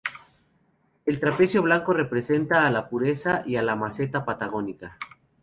El trapecio blanco representa a la pureza y a la meseta patagónica.